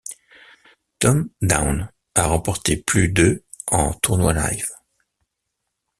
Tom Dwan a remporté plus de en tournois live.